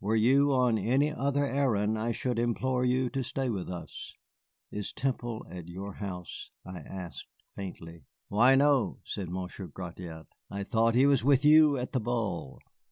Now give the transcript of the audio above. Were you on any other errand I should implore you to stay with us." "Is Temple at your house?" I asked faintly. "Why, no," said Monsieur Gratiot; "I thought he was with you at the ball."